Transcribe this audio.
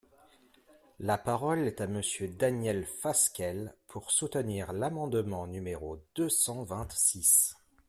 La parole est à Monsieur Daniel Fasquelle, pour soutenir l’amendement numéro deux cent vingt-six.